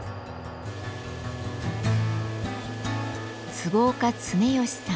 坪岡常佳さん。